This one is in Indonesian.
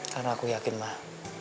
karena aku yakin mah